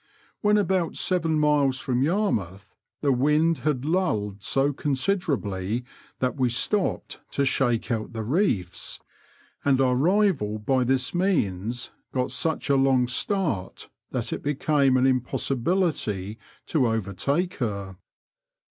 When about seven miles from Yarmouth the wind had lulled so consider ably that we stopped to shake out the reefs, and our rival by this means got such a long start that it became an impossi bility to overtake her.